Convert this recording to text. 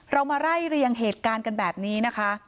เรามาไล่เรียงเหตุการณ์กันแบบนี้นะคะ